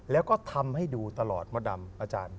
แล้วก็ทำให้ดูตลอดมดดำอาจารย์